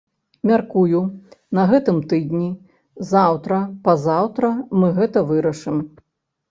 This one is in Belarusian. Мяркую, на гэтым тыдні, заўтра-пазаўтра мы гэта вырашым.